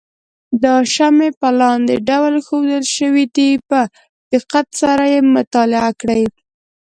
دا شمې په لاندې ډول ښودل شوې ده په دقت سره یې مطالعه کړئ.